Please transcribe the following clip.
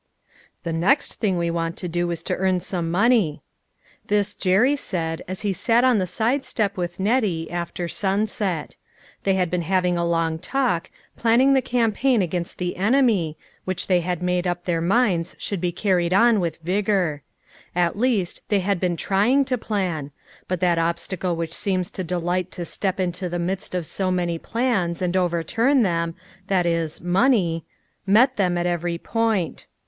M 1HE next thing we want to do is to earn , some money." This, Jerry said, as he sat on the si4e step with Nettie, after sunset. They had been hav ing a long talk, planning the campaign against the enemy, which they had made up their minds should be carried on with vigor. At least, they had been trying to plan ; but that obstacle which seems to delight to step into the midst of so many plans and overturn them, viz. money, met them at every point.